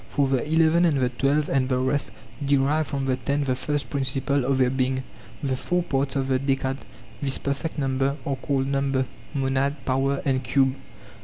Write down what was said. For the eleven and the twelve and the rest derive from the ten the first principle of their being. The four parts of the decad, this perfect number, are called number, monad, power, and cube.